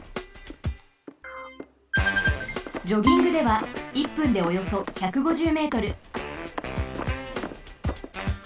ジョギングでは１分でおよそ１５０ｍ。